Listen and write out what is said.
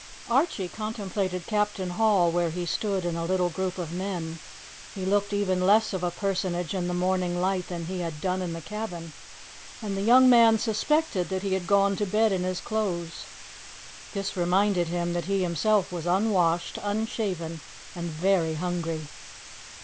Archie contemplated Captain Hall where he stood in a little group of men. He looked even less of a personage in the morning light than he had done in the cabin, and the young man suspected that he had gone to bed in his clothes. This reminded him that he himself was unwashed, unshaven, and very hungry.